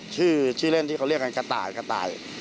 ชื่อเล่นที่เขาเรียกกันกระต่าย